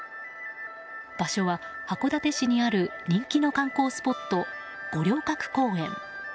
場所は函館市にある人気の観光スポット五稜郭公園。